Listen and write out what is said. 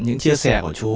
những chia sẻ của chú